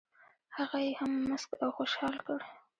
هغه یې هم مسک او خوشال کړ.